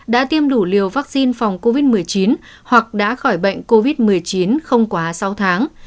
đã tiêm đủ liều vaccine phòng covid một mươi chín hoặc đã khỏi bệnh covid một mươi chín không quá sáu tháng